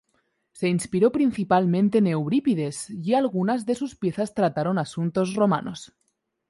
Se inspiró principalmente en Eurípides, y algunas de sus piezas trataron asuntos romanos.